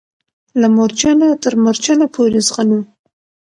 له مورچله تر مورچله پوري ځغلو